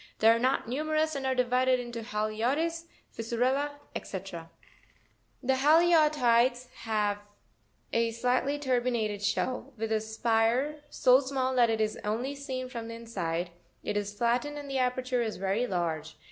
They are not numerous, and are divided into Haliotis, Fis surella, Sc. 29. The Haliotides ( fig. 76) have a slightly turbinated shell, with a spire so small that it is only seen from the inside: it is flattened and the aperture is very large.